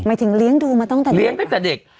หมายถึงเลี้ยงดูมาตั้งแต่เด็ก